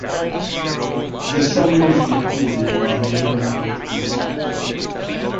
The song was recorded by Mironov himself.